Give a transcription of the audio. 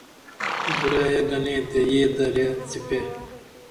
بُراعیے گنے تے یہ درے څیپے